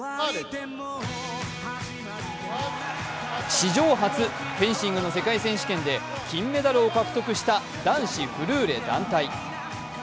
史上初、フェンシングの世界選手権で金メダルを獲得した男子フルーレ団体。